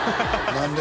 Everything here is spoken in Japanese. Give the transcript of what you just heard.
何で？